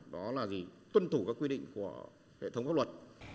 đó là gì tuân thủ các quy định của hệ thống pháp luật